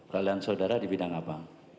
peralihan saudara di bidang apa